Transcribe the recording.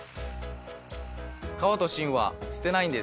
皮と芯は捨てないんです。